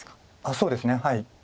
そうですねはい。